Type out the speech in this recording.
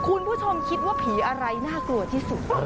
คุณผู้ชมคิดว่าผีอะไรน่ากลัวที่สุด